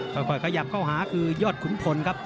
ค่อยขยับเข้าหาคือยอดขุนพลครับ